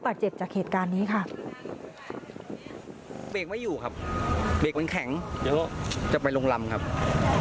ก็ทุกข์อะไรมาเราเล่าให้พอ